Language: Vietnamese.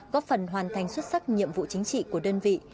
góp phần hoàn thành xuất sắc nhiệm vụ chính trị của đơn vị